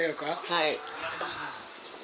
はい。